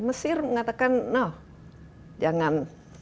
mesir mengatakan no jangan